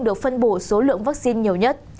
được phân bổ số lượng vaccine nhiều nhất